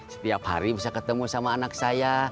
setiap hari bisa ketemu sama anak saya